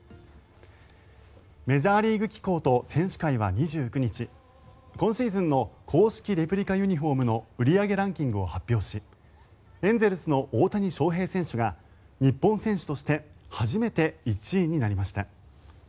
メジャーリーグ機構と選手会は２９日今シーズンの公式レプリカユニホームの売り上げランキングを発表しエンゼルスの大谷翔平選手が日本選手として初めて１位になりました。